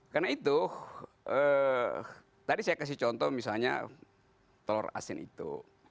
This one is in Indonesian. karena itu tadi saya kasih contoh misalnya telur asin itu